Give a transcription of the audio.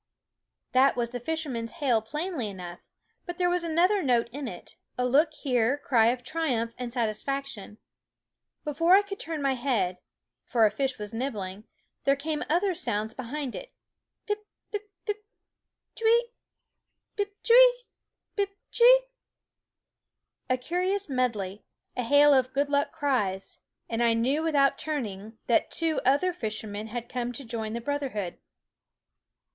That was the fisherman's hail plainly enough ; but there was another note in it, a look here cry of triumph and satisfac tion. Before I could turn my head for a fish was nibbling there came other sounds behind it, Pip, pip, pip, ch "weee ! pip, ch 'wee ! pip ch "weeee ! a curious medley, a hail of good luck cries ; and I knew without turning that two other fishermen had come to join the brotherhood.